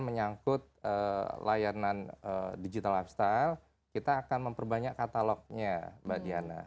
menyangkut layanan digital lifestyle kita akan memperbanyak katalognya mbak diana